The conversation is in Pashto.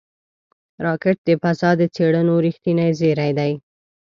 راکټ د فضا د څېړنو رېښتینی زېری دی